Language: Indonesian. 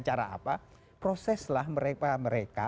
cara apa proseslah mereka